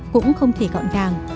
cũng không thể gọn gàng